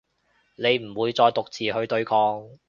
你唔會再獨自去對抗